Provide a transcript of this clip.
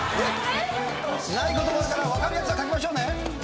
ないこともあるから分かるやつは書きましょうね。